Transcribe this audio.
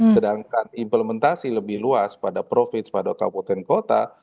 sedangkan implementasi lebih luas pada profit pada kabupaten kota